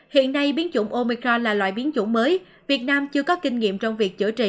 hiện nay biến chủng omicro là loại biến chủng mới việt nam chưa có kinh nghiệm trong việc chữa trị